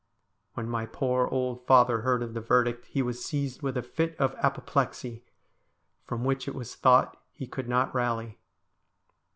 When my poor old father heard of the verdict he was seized with a fit of apoplexy, from which it was thought he could not rally.